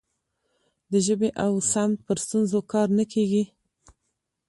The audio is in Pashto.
د ژبې او سمت پر ستونزو کار نه کیږي.